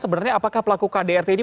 sebenarnya apakah pelaku kdrt ini